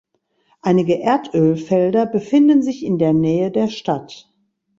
Einige Erdölfelder befinden sich in der Nähe der Stadt.